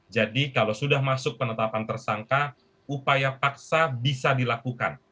jadi kalau sudah masuk penetapan tersangka upaya paksa bisa dilakukan